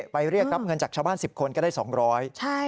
เรียกรับเงินจากชาวบ้าน๑๐คนก็ได้๒๐๐บาท